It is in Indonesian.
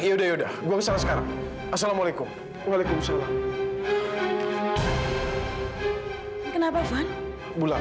oh ya silakan silakan